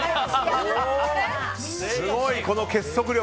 すごい、この結束力。